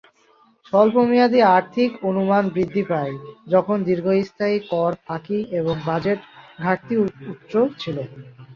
স্বল্পমেয়াদী আর্থিক অনুমান বৃদ্ধি পায়, যখন দীর্ঘস্থায়ী কর ফাঁকি এবং বাজেট ঘাটতি উচ্চ ছিল।